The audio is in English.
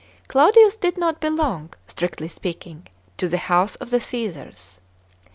Claudius did not belong, strictly speaking, to the house of the Csesara.